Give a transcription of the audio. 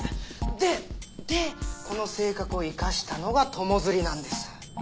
ででこの性格を生かしたのが友釣りなんです。